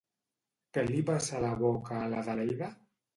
Què li passa a la boca a l'Adelaida?